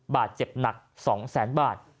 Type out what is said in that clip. บาดเจ็บหนัก๒๐๐๐๐๐บาท